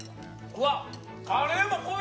うわっ！